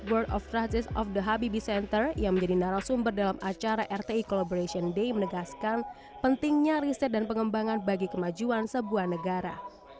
world of tradis of the habibi center yang menjadi narasumber dalam acara rti collaboration day menegaskan pentingnya riset dan pengembangan bagi kemajuan sebuah negara